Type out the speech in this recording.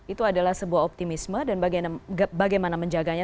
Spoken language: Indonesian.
itu adalah sebuah optimisme dan bagaimana menjaganya